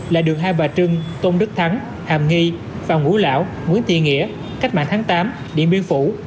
là đường hai bà trưng tôn đức thắng hàm nghi phạm ngũ lão nguyễn tị nghĩa cách mạng tháng tám điện biên phủ